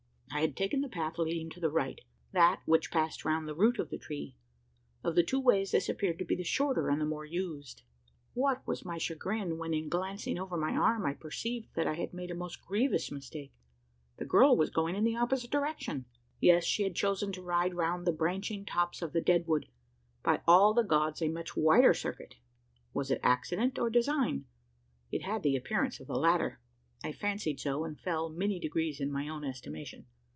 I had taken the path leading to the right that which passed round the root of the tree. Of the two ways this appeared to be the shorter and the more used. What was my chagrin, when, in glancing over my arm, I perceived that I had made a most grievous mistake: the girl was going in the opposite direction! Yes she had chosen to ride round the branching tops of the dead wood by all the gods, a much wider circuit! Was it accident, or design? It had the appearance of the latter. I fancied so, and fell many degrees in my own estimation.